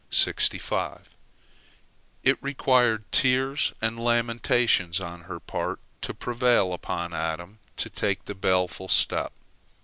It required tears and lamentations on her part to prevail upon Adam to take the baleful step.